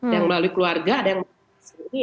yang melalui keluarga ada yang melalui